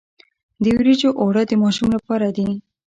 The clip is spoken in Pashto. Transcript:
د وریجو اوړه د ماشوم لپاره دي.